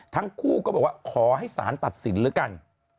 ทั้งคู่ก็บอกว่าขอให้สารตัดสินแล้วกัน